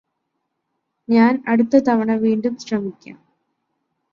ഞാന് അടുത്ത തവണ വീണ്ടും ശ്രമിക്കാം